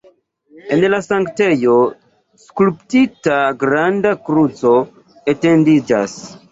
En la sanktejo skulptita granda kruco etendiĝas.